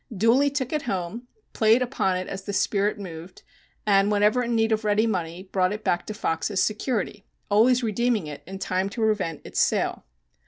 Dooly took it home, played upon it as the spirit moved, and whenever in need of ready money brought it back to Fox as security, always redeeming it in time to prevent its sale.